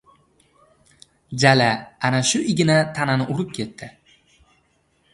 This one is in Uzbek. Jala ana shu igna tanani urib ketdi.